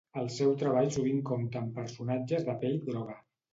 El seu treball sovint compta amb personatges de pell groga.